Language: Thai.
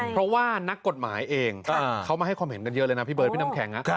เพราะว่านักกฎหมายเองเขามาให้ความเห็นกันเยอะเลยนะพี่เบิร์ดพี่น้ำแข็ง